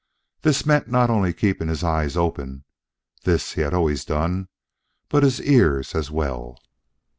This meant not only keeping his eyes open, this he had always done, but his ears as well.